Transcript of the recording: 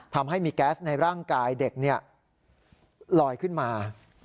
ทำให้มีแก๊สในร่างกายเด็กลอยขึ้นมา